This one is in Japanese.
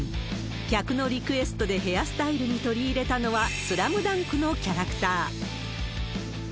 客のリクエストでヘアスタイルに取り入れたのは、スラムダンクのキャラクター。